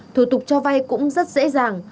thủ tục cho vay cũng rất dễ dàng